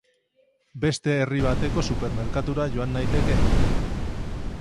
Beste herri bateko supermerkatura joan naiteke?